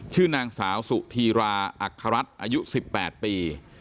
ชื่อนางสาวสุธีราอัครรัฐอายุ๑๘ปี